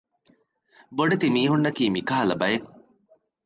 ބޮޑެތި މީހުންނަކީ މިކަހަލަ ބައެއް